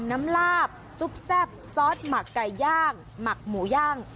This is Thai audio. ลาบซุปแซ่บซอสหมักไก่ย่างหมักหมูย่าง